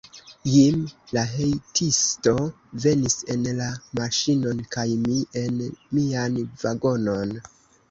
Jim, la hejtisto, venis en la maŝinon kaj mi en mian vagonon.